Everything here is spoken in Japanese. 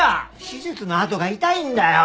手術の痕が痛いんだよ！